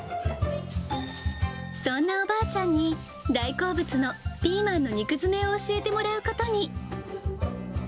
そんなおばあちゃんに、大好物のピーマンの肉詰めを教えてもらうことに。